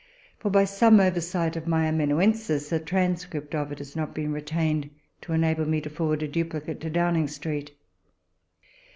for by some oversight of my amanuensis a tran script of it has not been retained to enable me to forward a duplicate to Downing Street.